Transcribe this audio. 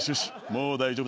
もう大丈夫だ。